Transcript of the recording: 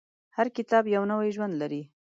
هر کتاب یو نوی ژوند لري.